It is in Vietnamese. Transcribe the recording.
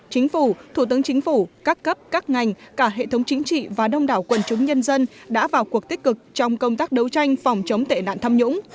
chính phủ thủ tướng chính phủ các cấp các ngành cả hệ thống chính trị và đông đảo quần chúng nhân dân đã vào cuộc tích cực trong công tác đấu tranh phòng chống tệ nạn tham nhũng